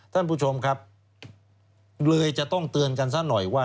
ท่านผู้ชมครับเลยจะต้องเตือนกันซะหน่อยว่า